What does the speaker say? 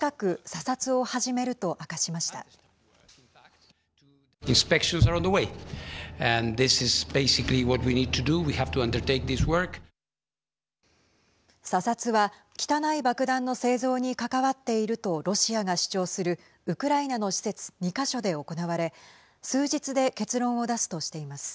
査察は汚い爆弾の製造に関わっているとロシアが主張するウクライナの施設２か所で行われ数日で結論を出すとしています。